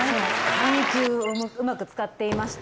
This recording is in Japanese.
緩急をうまく使っていました。